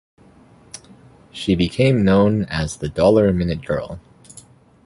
She became known as the Dollar-a-Minute Girl.